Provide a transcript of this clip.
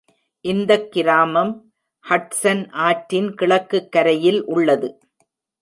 இந்தக் கிராமம், ஹட்சன் ஆற்றின் கிழக்குக் கரையில் உள்ளது.